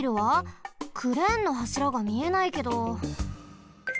クレーンのはしらがみえないけど。